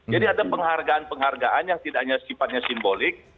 jadi ada penghargaan penghargaan yang tidak hanya sifatnya simbolik